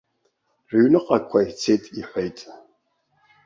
Рыҩныҟақәа ицеит, иҳәеит.